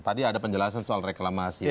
tadi ada penjelasan soal reklamasi